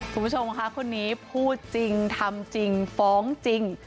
คุณผู้ชมค่ะคนนี้พูดจริงทำจริงฟ้องจริง